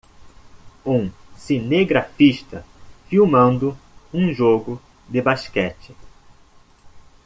Um cinegrafista filmando um jogo de basquete.